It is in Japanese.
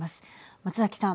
松崎さん。